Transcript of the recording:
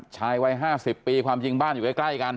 ชายวัย๕๐ปีความจริงบ้านอยู่ใกล้กัน